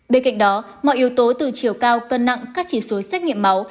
bên cạnh đó mọi yếu tố từ chiều cao cân nặng các chỉ số xét nghiệm máu